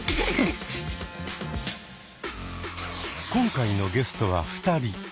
今回のゲストは２人。